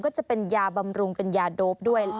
ก็จะเป็นยาบำรุงเป็นยาโดปด้วย